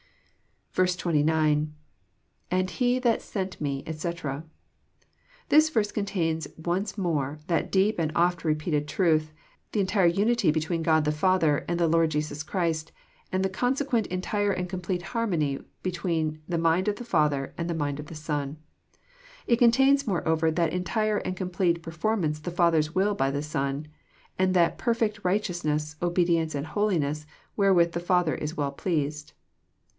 9. — [^And he that sent me, etc."] This verse contains once more that deep and oft repeated truth, the entire unity between God the Father, and the Lord Jesus Christ, and the consequent entire and complete harmony between the mind of the Father and the mind of the Son. It contains moreover that entire and com plete performance of the Father's wiU by the Son, and that per fect righteousness, obedience, and holiness, wherewith the Father is well pleased.